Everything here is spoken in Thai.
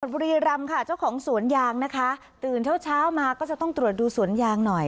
บุรีรำค่ะเจ้าของสวนยางนะคะตื่นเช้าเช้ามาก็จะต้องตรวจดูสวนยางหน่อย